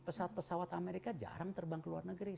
pesawat pesawat amerika jarang terbang ke luar negeri